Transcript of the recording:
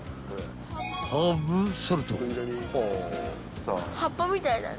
［ハーブソルト］